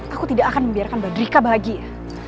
aku tidak akan membiarkan mbak drika bahagia